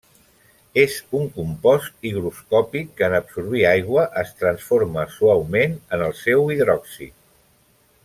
És un compost higroscòpic que, en absorbir aigua, es transforma suaument en el seu hidròxid.